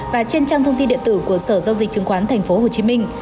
và trên trang thông tin điện tử của sở giao dịch chứng khoán tp hcm